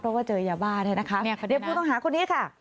เพราะว่าเจอยาบ้าด้วยนะครับ